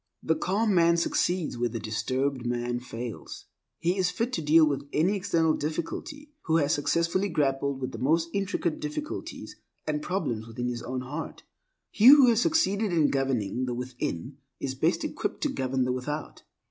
The calm man succeeds where the disturbed man fails. He is fit to deal with any external difficulty, who has successfully grappled with the most intricate difficulties and problems within his own heart. He who has succeeded in governing the within is best equipped to govern the without.